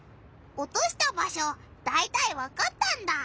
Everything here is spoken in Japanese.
おとした場しょだいたいわかったんだ。